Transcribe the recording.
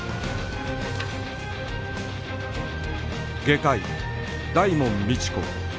外科医大門未知子